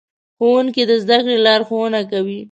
ښوونکي د زدهکړې لارښوونه کوي.